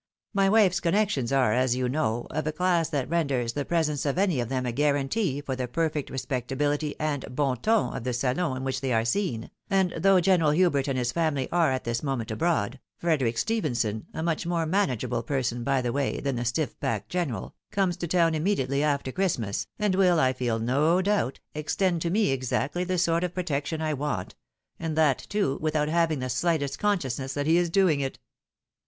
My •wife's con nections are, as you know, of a class that renders the presence of any of them a guarantee for the perfect respectability and bon ton of the salon in which they are seen, and though General Hubert and his family are at this moment abroad, Frederic Stephenson, a much more manageable person, by the way, than the stiif backed general, comes to town immediately after Christmas, and will, I feel no doubt, extend to me exactly the sort of protection I want, and that, too, without having the sKghtest consciousness that he is doing it.